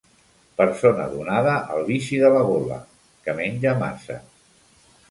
Persona donada al vici de la gola, que menja massa.